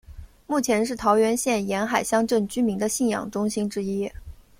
目前是桃园县沿海乡镇居民的信仰中心之一。